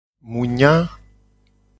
Mu nya.